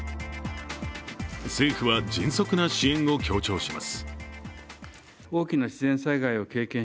政府は迅速な支援を強調します。